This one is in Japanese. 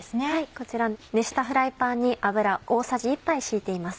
こちら熱したフライパンに油大さじ１杯引いています。